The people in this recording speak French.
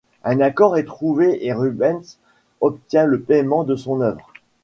Un accord est trouvé et Rubens obtient le paiement de son œuvre.